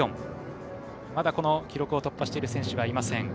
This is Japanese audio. まだこの記録を突破している選手はいません。